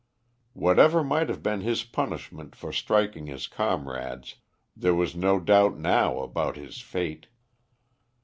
Whatever might have been his punishment for striking his comrades, there was no doubt now about his fate.